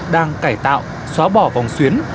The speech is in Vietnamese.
đang cải tạo xóa bỏ vòng xuyến